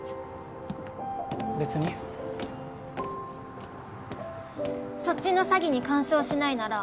別にそっちの詐欺に干渉しないなら